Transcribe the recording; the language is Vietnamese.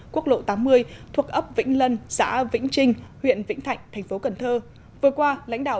quốc lộ tám mươi thuộc ấp vĩnh lân xã vĩnh trinh huyện vĩnh thạnh tp cn vừa qua lãnh đạo